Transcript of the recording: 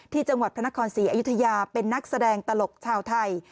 จังหวัดพระนครศรีอยุธยาเป็นนักแสดงตลกชาวไทย